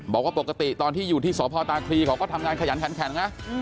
บอกว่าปกติตอนที่อยู่ที่สพตาคลีเขาก็ทำงานขยันขันแข็งนะ